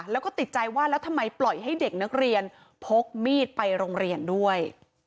แล้วก็ติดใจว่าแล้วทำไมปล่อยให้เด็กนักเรียนพกมีดไปโรงเรียนด้วย